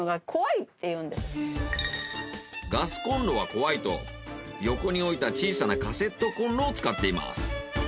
ガスコンロは怖いと横に置いた小さなカセットコンロを使っています。